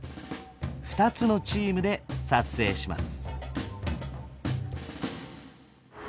２つのチームで撮影します。